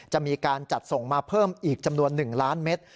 จะมีการจัดส่งมาเพิ่มอีกจำนวน๑ล้านเมตร